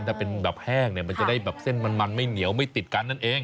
ถ้าเป็นแรงจะได้เส้นมันไม่เหนียวไม่ติดกันนั่นเอง